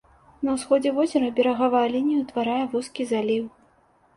На ўсходзе возера берагавая лінія ўтварае вузкі заліў.